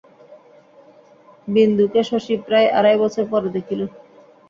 বিন্দুকে শশী প্রায় আড়াই বছর পরে দেখিল।